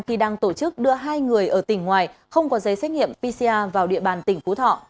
khi đang tổ chức đưa hai người ở tỉnh ngoài không có giấy xét nghiệm pcr vào địa bàn tỉnh phú thọ